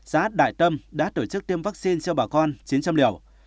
xã đại tâm đã tổ chức tiêm vaccine cho bà con chín trăm linh liều